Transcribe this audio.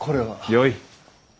よい。